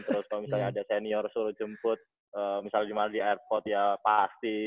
terus kalau misalnya ada senior suruh jemput misalnya di airport ya pasti